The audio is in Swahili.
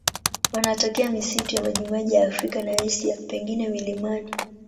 Wanatokea misitu ya majimaji ya Afrika na Asia, pengine milimani.